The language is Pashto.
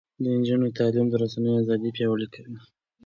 د نجونو تعلیم د رسنیو ازادي پیاوړې کوي.